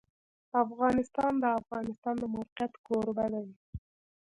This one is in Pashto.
افغانستان د د افغانستان د موقعیت کوربه دی.